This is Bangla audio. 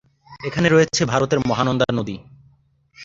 এখানে রয়েছে ভারতের মহানন্দা নদী।